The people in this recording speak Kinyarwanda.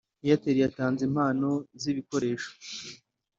Airtel yatanze impano z’ibikoresho